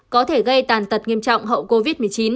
có thể gây tàn tật nghiêm trọng hậu covid một mươi chín